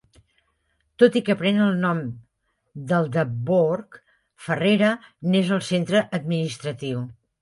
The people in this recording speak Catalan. Tot i que pren el nom del de Burg, Farrera n'és el centre administratiu.